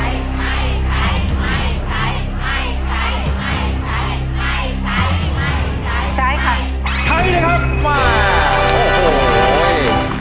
ไม่ใช้